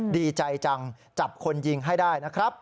ดีใจจังจับคนยิงให้ได้นะครับ